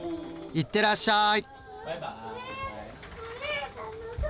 いってらっしゃい！